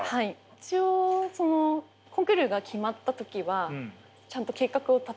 一応コンクールが決まった時はちゃんと計画を立てるんですよ